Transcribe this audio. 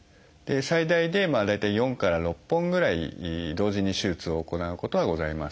最大で大体４から６本ぐらい同時に手術を行うことはございます。